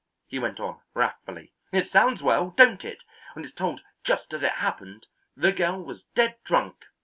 he went on, wrathfully. "It sounds well, don't it, when it's told just as it happened? The girl was dead drunk.